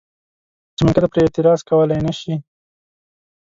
چې منکر پرې اعتراض کولی نه شي.